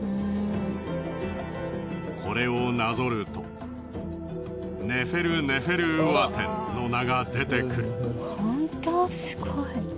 これをなぞるとネフェルネフェルウアテンの名が出てくる。